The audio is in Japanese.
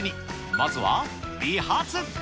まずは美髪。